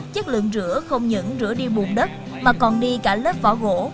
chất lượng rửa không những rửa đi buồn đất mà còn đi cả lớp vỏ gỗ